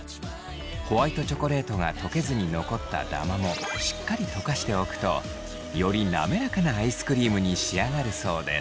ホワイトチョコレートが溶けずに残ったダマもしっかり溶かしておくとより滑らかなアイスクリームに仕上がるそうです。